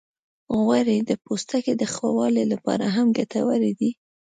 غوړې د پوستکي د ښه والي لپاره هم ګټورې دي.